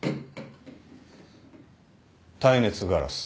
耐熱ガラス。